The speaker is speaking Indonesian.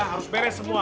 harus beres semua